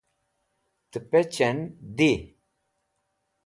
tipech'en di